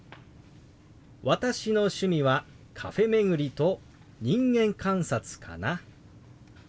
「私の趣味はカフェ巡りと人間観察かな」。